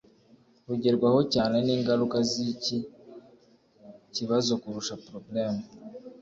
rugerwaho cyane n ingaruka z iki kibazo kurusha problem